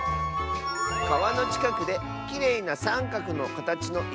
「かわのちかくできれいなさんかくのかたちのいしをみつけた！」。